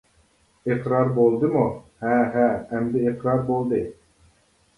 -ئىقرار بولدىمۇ؟ -ھە، ھە، ئەمدى ئىقرار بولدى.